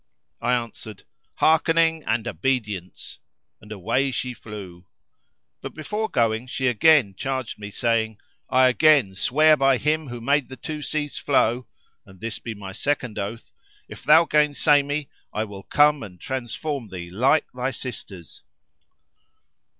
I answered, "Hearkening and obedience!"; and away she flew. But before going she again charged me saying, "I again swear by Him who made the two seas flow[FN#327] (and this be my second oath) if thou gainsay me I will come and transform thee like thy sisters."